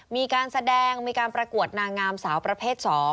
มีการแสดงมีการประกวดนางงามสาวประเภท๒